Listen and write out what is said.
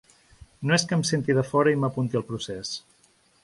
No és que em senti de fora i m’apunti al procés.